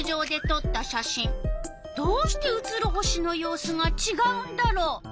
どうして写る星の様子がちがうんだろう？